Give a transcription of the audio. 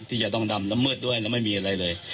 ที่จะต้องดำน้ำมืดด้วยแล้วไม่มีอะไรเลย